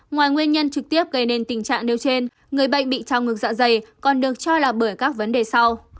ngoài nguyên nhân trực tiếp gây nên tình trạng nêu trên người bệnh bị trào ngược dạ dày còn được cho là bởi các vấn đề sau